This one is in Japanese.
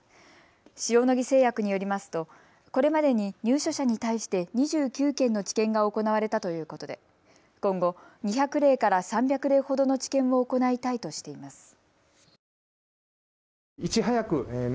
塩野義製薬によりますとこれまでに入所者に対して２９件の治験が行われたということで今後、２００例から３００例ほどの治験を行いたいとしています。